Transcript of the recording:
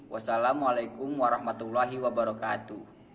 wassalamualaikum warahmatullahi wabarakatuh